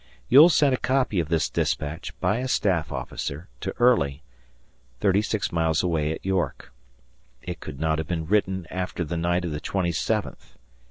Ewell sent a copy of this dispatch, by a staff officer, to Early, thirty six miles away at York. It could not have been written after the night of the twenty seventh.